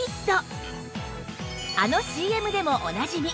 あの ＣＭ でもおなじみ